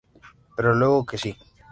Pero luego que sí.